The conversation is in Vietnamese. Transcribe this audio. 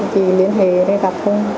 chị liên hệ để gặp hùng